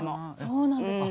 そうなんですね。